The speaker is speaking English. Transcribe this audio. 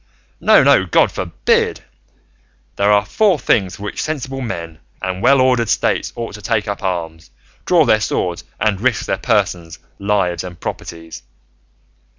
No, no; God forbid! There are four things for which sensible men and well ordered States ought to take up arms, draw their swords, and risk their persons, lives, and properties.